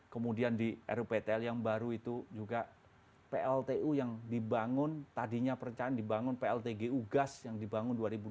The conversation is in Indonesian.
kemudian di ruptl yang baru itu juga pltu yang dibangun tadinya perencanaan dibangun pltgu gas yang dibangun dua ribu dua puluh